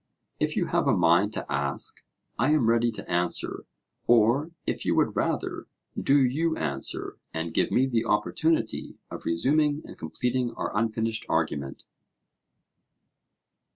If you have a mind to ask, I am ready to answer; or if you would rather, do you answer, and give me the opportunity of resuming and completing our unfinished argument.